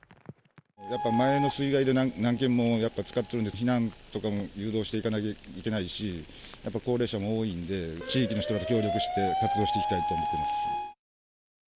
やっぱ前の水害で何軒もやっぱつかってるんで、避難とかも誘導していかなきゃいけないし、やっぱ高齢者も多いんで、地域の人と協力して活動していきたいと思っています。